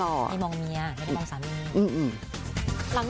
ไม่มองเมียไม่ได้มองสามี